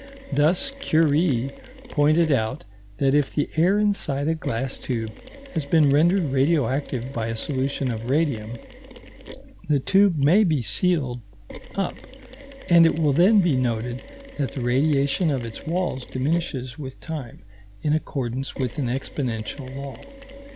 Thus Curie pointed out that if the air inside a glass tube has been rendered radioactive by a solution of radium, the tube may be sealed up, and it will then be noted that the radiation of its walls diminishes with time, in accordance with an exponential law.